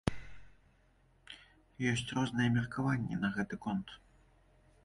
Ёсць розныя меркаванні на гэты конт.